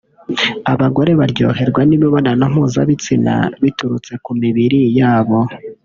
Abagore baryoherwa n’imibonano mpuzabitsina biturutse ku mibiri yabo